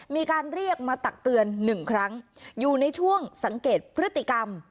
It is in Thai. มีการเรียกมาตักเตือนหนึ่งครั้งอยู่ในช่วงสังเกตพฤติกรรม